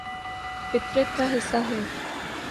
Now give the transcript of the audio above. فطرت کا حصہ ہے